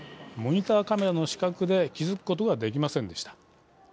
モニターカメラの死角で気付くことができませんでした。